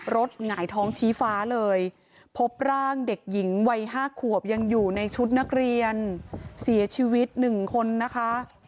หงายท้องชี้ฟ้าเลยพบร่างเด็กหญิงวัย๕ขวบยังอยู่ในชุดนักเรียนเสียชีวิต๑คนนะคะ